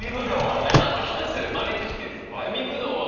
まず１つ豆知識です。